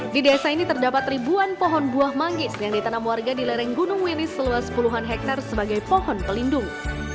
di desa ini terdapat ribuan pohon buah manggis yang ditanam warga di lereng gunung wilis seluas puluhan hektare sebagai pohon pelindung